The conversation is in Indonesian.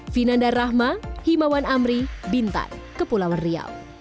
vinanda rahma himawan amri bintan kepulauan riau